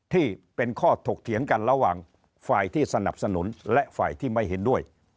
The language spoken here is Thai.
ที่เป็นข้อถกเถียงกันระหว่างฝ่ายที่สนับสนุนและฝ่ายที่ไม่เห็นด้วย